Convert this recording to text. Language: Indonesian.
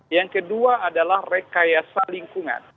yang kedua adalah rekayasa lingkungan